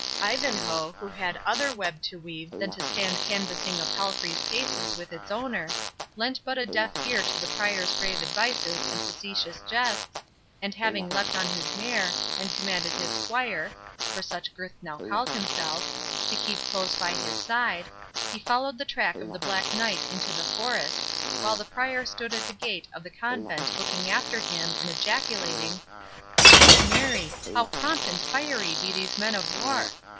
Ivanhoe, who had other web to weave than to stand canvassing a palfrey's paces with its owner, lent but a deaf ear to the Prior's grave advices and facetious jests, and having leapt on his mare, and commanded his squire (for such Gurth now called himself) to keep close by his side, he followed the track of the Black Knight into the forest, while the Prior stood at the gate of the convent looking after him, and ejaculating,—"Saint Mary! how prompt and fiery be these men of war!